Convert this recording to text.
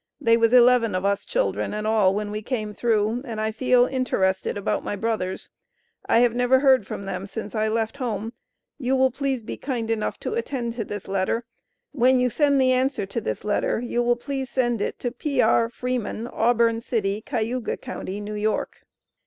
They was eleven of us children and all when we came through and I feal interrested about my Brothers. I have never heard from them since I Left home you will Please Be Kind annough to attend to this Letter. When you send the answer to this Letter you will Please send it to P.R. Freeman Auburn City Cayuga County New York.